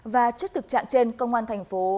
và trước thực trạng trên công an thành phố